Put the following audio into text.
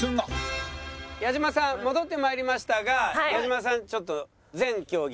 矢島さん戻って参りましたが矢島さんちょっと全競技